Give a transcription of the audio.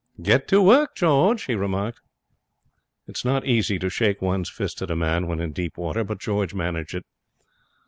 'Get to work, George,' he remarked. It is not easy to shake one's fist at a man when in deep water, but George managed it.